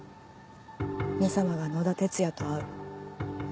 「め様」が野田哲也と会う。